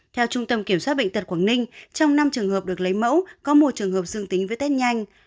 theo trung tâm kiểm soát bệnh tật quảng ninh trong năm trường hợp được lấy mẫu có một trường hợp dương tính với test nhanh